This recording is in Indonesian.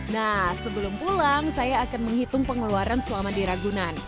nah sebelum pulang saya akan menghitung pengeluaran selama di ragunan